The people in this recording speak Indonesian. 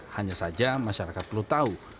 hanya saja masyarakat perlu tahu